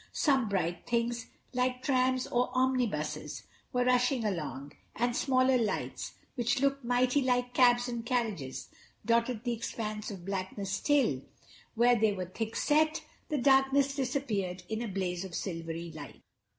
Some bright things, like trams or omnibuses, were rushing along, and smaller lights, which looked mighty like cabs and carriages, dotted the expanse of blackness till, where they were thick set, the darkness disappeared in a blaze of silvery light.